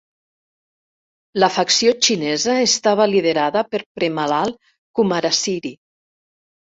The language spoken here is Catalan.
La facció xinesa estava liderada per Premalal Kumarasiri.